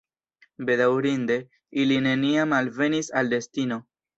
Bedaŭrinde, ili neniam alvenis al destino.